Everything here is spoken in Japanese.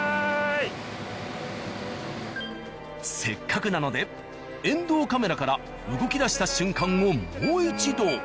せっかくなので遠藤カメラから動き出した瞬間をもう一度。